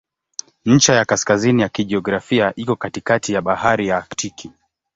Ncha ya kaskazini ya kijiografia iko katikati ya Bahari ya Aktiki.